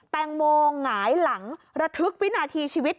แตงโมหงายหลังระทึกวินาทีชีวิต